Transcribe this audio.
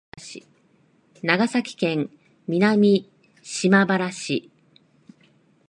長崎県南島原市